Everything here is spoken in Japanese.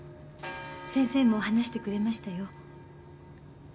先生も話してくれましたよ。